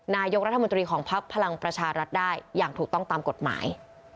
นายกรัฐมนตรีของพักพลังประชารัฐได้อย่างถูกต้องตามกฎหมาย